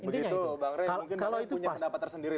baik begitu bang ren mungkin mbak rai punya pendapat tersendiri